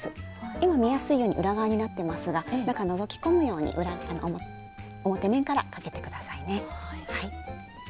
今見やすいように裏側になってますが中のぞき込むように表面からかけて下さいね。